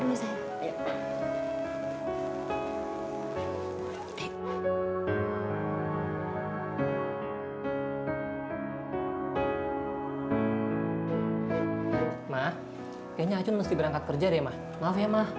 mak kayaknya acun mesti berangkat kerja deh ma maaf ya ma